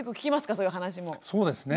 そうですね